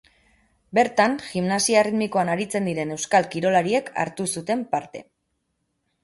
Bertan, gimnasia erritmikoan aritzen diren euskal kirolariek hartu zuten parte.